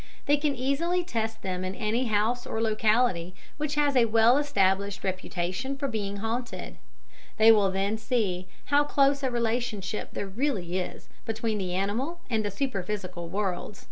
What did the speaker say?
They can easily test them in any house or locality which has a well established reputation for being haunted. They will then see how close a relationship there really is between the animal and superphysical worlds.